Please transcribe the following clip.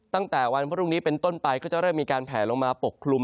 ตั้งแต่วันพรุ่งนี้เป็นต้นไปก็จะเริ่มมีการแผลลงมาปกคลุม